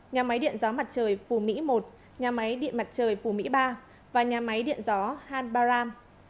nhà máy điện gió mặt trời phủ mỹ i nhà máy điện mặt trời phủ mỹ iii và nhà máy điện gió han baram